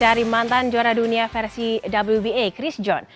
dari mantan juara dunia versi wba chris john